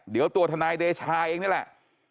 เดี๋ยวตัวทนายเดชาเองนี่แหละ